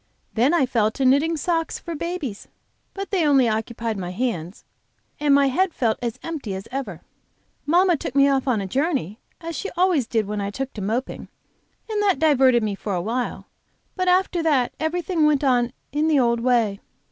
Then I fell to knitting socks for babies, but they only occupied my hands, and my head felt as empty as ever. Mamma took me off on a journey, as she always did when I took to moping, and that diverted me for a while. But after that everything went on in the old way.